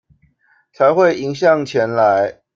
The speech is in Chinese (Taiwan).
才會迎向前來